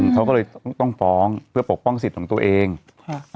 เขาก็เลยต้องต้องฟ้องเพื่อปกป้องสิทธิ์ของตัวเองค่ะ